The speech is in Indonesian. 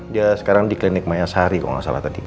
dia sekarang di klinik mayasari kalau nggak salah tadi